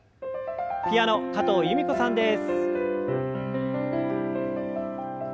ピアノ加藤由美子さんです。